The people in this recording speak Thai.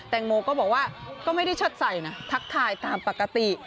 แตงโมก็บอกว่าก็ไม่ได้ชัดใส่นะทักทายตามปกติ